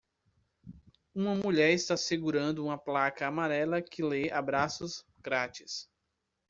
Uma mulher está segurando uma placa amarela que lê abraços grátis